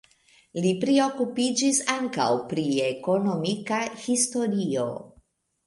Li priokupiĝis ankaŭ pri ekonomika historio.